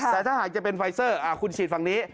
แต่ถ้าหากจะเป็นไฟเซอร์คุณฉีดฝั่งนี้